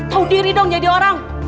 tahu diri dong jadi orang